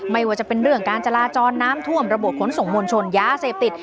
ไม่ว่าจะเป็นเรื่องการจราจรน้ำท่วมระบบขนส่งมวลชนยาเสพติด